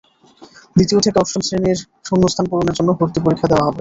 দ্বিতীয় থেকে অষ্টম শ্রেণির শূন্যস্থান পূরণের জন্য ভর্তি পরীক্ষা দেওয়া হবে।